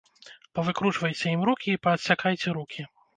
Павыкручвайце ім рукі і паадсякайце рукі.